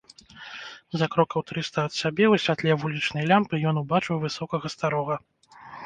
За крокаў трыста ад сябе, у святле вулічнай лямпы ён убачыў высокага старога.